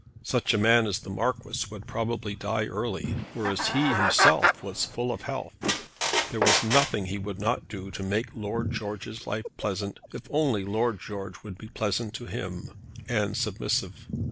Such a man as the Marquis would probably die early, whereas he himself was full of health. There was nothing he would not do to make Lord George's life pleasant, if only Lord George would be pleasant to him, and submissive.